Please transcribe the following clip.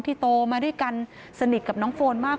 โตมาด้วยกันสนิทกับน้องโฟนมาก